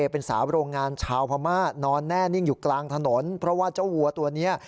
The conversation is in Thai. เป็นสาวโรงงานชาวพม่านอนแน่นิ่งอยู่กลางถนนเพราะว่าเจ้าวัวตัวนี้